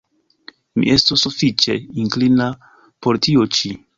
Mi estus sufiĉe inklina por tio ĉi.